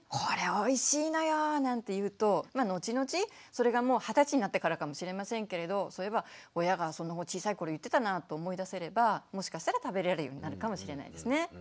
「これおいしいのよ！」なんて言うと後々それがもう二十歳になってからかもしれませんけれど「そういえば親が小さい頃言ってたな」と思い出せればもしかしたら食べれるようになるかもしれないですね。